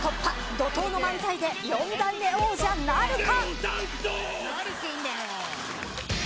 怒涛の漫才で４代目王者なるか。